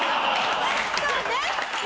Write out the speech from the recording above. そうね。